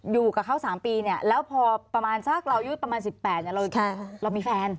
อยู่กับเขา๓ปีแล้วพอประมาณซักตั้งแต่๑๘ปีพ่อเรามีแฟน